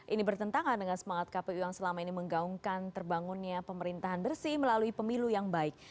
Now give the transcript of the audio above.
ini bertentangan dengan semangat kpu yang selama ini menggaungkan terbangunnya pemerintahan bersih melalui pemilu yang baik